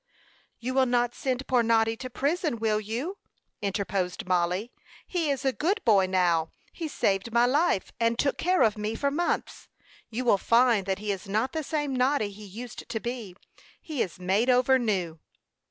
"You will not send poor Noddy to prison will you?" interposed Mollie. "He is a good boy now. He saved my life, and took care of me for months. You will find that he is not the same Noddy, he used to be. He is made over new."